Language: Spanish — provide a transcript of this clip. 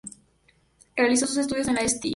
Realizó sus estudios en la St.